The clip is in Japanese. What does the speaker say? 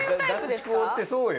男子校ってそうよ。